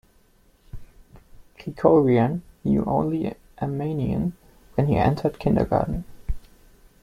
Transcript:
Krikorian knew only Armenian when he entered kindergarten.